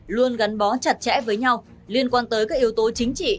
luôn gắn bó chặt chẽ với nhau liên quan tới các yếu tố chính trị